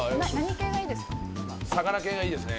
魚系がいいですね。